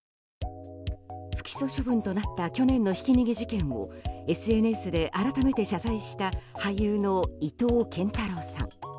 不起訴処分となった去年のひき逃げ事件をＳＮＳで改めて謝罪した俳優の伊藤健太郎さん。